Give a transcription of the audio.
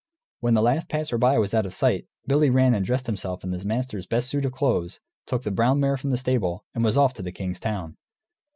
When the last passer by was out of sight, Billy ran and dressed himself in his master's best suit of clothes, took the brown mare from the stable, and was off to the king's town.